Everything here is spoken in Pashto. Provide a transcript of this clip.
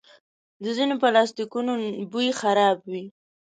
د ځینو پلاسټیکونو بوی خراب وي.